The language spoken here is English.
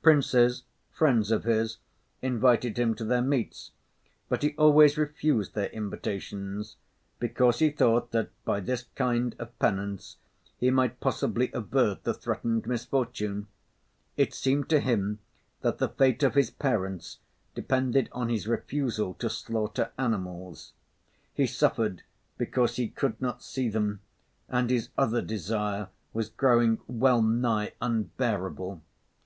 Princes, friends of his, invited him to their meets, but he always refused their invitations, because he thought that by this kind of penance he might possibly avert the threatened misfortune; it seemed to him that the fate of his parents depended on his refusal to slaughter animals. He suffered because he could not see them, and his other desire was growing well nigh unbearable.